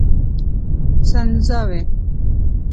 سنځاوي